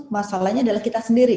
masalahnya adalah kita sendiri